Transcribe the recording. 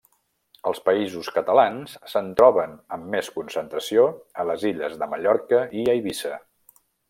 Als Països Catalans se'n troben amb més concentració a les illes de Mallorca i Eivissa.